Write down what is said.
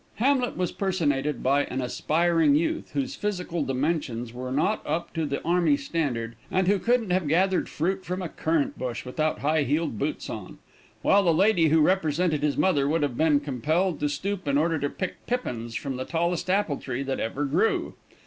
Hamlet was personated by an aspiring youth, whose physical dimensions were not up to the army standard, and who couldn't have gathered fruit from a currant bush without high heeled boots on; while the lady who represented his mother would have been compelled to stoop in order to pick pippins from the tallest apple tree that ever grew.